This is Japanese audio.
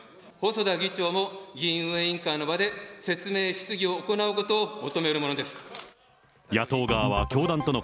細田議長も議院運営委員会の場で、説明質疑を行うことを求めるもの